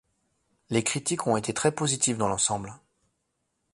Les critiques ont été très positives dans l'ensemble.